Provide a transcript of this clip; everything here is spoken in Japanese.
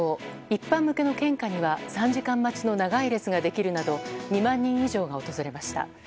一般向けの献花には３時間待ちの長い列ができるなど２万人以上が訪れました。